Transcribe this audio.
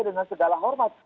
dengan segala hormat